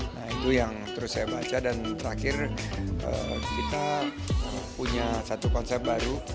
nah itu yang terus saya baca dan terakhir kita punya satu konsep baru